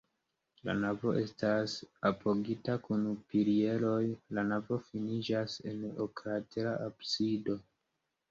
La navo estas apogita kun pilieroj, la navo finiĝas en oklatera absido.